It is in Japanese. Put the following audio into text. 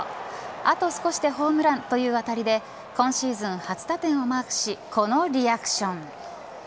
あと少しでホームランという当たりで今シーズン初打点をマークしこのリアクション。